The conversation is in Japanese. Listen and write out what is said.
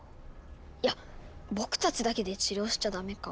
⁉いやっ僕たちだけで治療しちゃダメか。